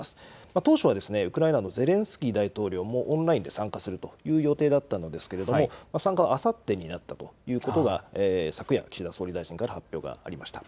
当初はウクライナのゼレンスキー大統領もオンラインで参加する予定だったんですが参加はあさってになったということが昨夜、岸田総理大臣から発表がありました。